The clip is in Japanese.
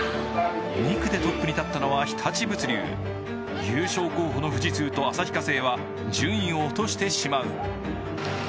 ２区でトップに立ったのは日立物流優勝候補の富士通と旭化成は順位を落としてしまう。